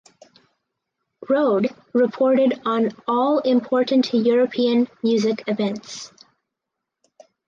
Rohde reported on all important European music events.